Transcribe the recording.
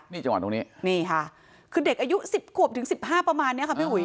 นี่จังหวัดตรงนี้นี่ค่ะคือเด็กอายุสิบกวบถึงสิบห้าประมาณเนี้ยค่ะ